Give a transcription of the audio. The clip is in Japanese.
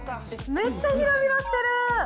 めっちゃ広々してる！